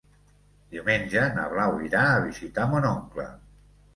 Diumenge na Blau irà a visitar mon oncle.